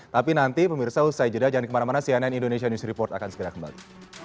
tapi nanti pemirsa usai jeda jangan kemana mana cnn indonesia news report akan segera kembali